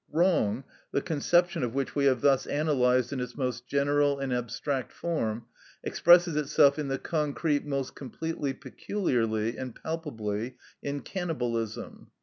Wrong, the conception of which we have thus analysed in its most general and abstract form, expresses itself in the concrete most completely, peculiarly, and palpably in cannibalism.